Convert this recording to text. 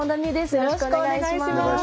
よろしくお願いします。